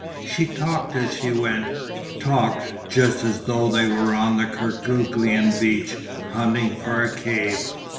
She talked as she went. Talked just as though they were on the Kerguelen beach hunting for a cave.